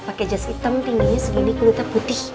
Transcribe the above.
pakai jas hitam tingginya segini kulitnya putih